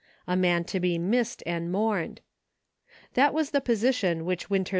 A man to be missed and mourned. That was the position which Winter'.